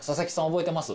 覚えてます。